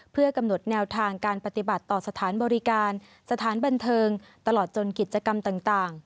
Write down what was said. เพื่อกำหนดแนวทางการปฏิบัติต่อสถานบริการสถานบันเทิงตลอดจนกิจกรรมต่าง